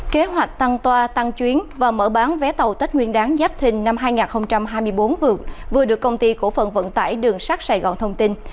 kế hoạch tăng toa tăng chuyến và mở bán vé tàu tết nguyên đáng giáp thình năm hai nghìn hai mươi bốn vừa được công ty cổ phận vận tải đường sắt sài gòn thông tin